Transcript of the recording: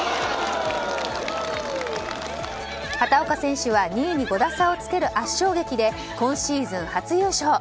畑岡選手は２位に５打差をつける圧勝劇で今シーズン初優勝。